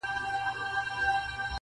• هغه ښار چي تا په خوب کي دی لیدلی -